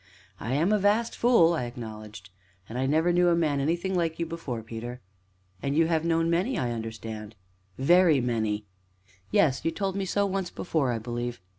"I am a vast fool!" I acknowledged. "And I never knew a man anything like you before, Peter!" "And you have known many, I understand?" "Very many." "Yes you told me so once before, I believe."